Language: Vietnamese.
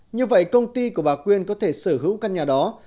như vậy công ty của bà quyên có thể sở hữu căn nhà đó